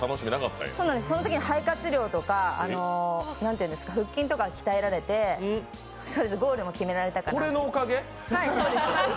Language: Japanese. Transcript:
そのとき肺活量とか腹筋とか鍛えられてゴールも決められたかなと。